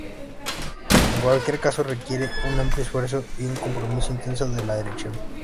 En cualquier caso requiere un amplio esfuerzo y un compromiso intenso de la dirección.